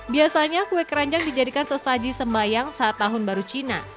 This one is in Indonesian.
biasanya kue keranjang dijadikan sesaji sembayang saat tahun baru cina